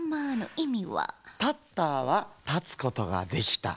「タッタ」は「たつことができた」。